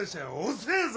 遅えぞ！